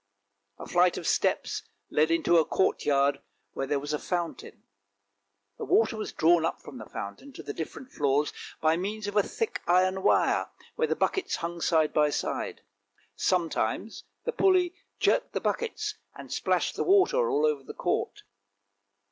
A flight of steps led into a courtyard where there was a fountain; the water was drawn up from the fountain to the different floors by means of a thick iron wire, where the buckets hung side by side. Sometimes the pulley jerked the buckets and splashed the water all over the court.